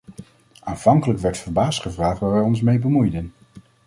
Aanvankelijk werd verbaasd gevraagd waar wij ons mee bemoeiden.